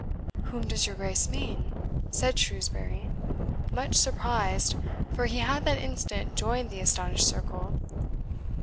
"Whom does your Grace mean?" said Shrewsbury, much surprised, for he had that instant joined the astonished circle.